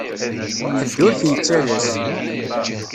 Ḥedd ur k-yettalas.